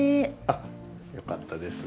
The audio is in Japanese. あっよかったです。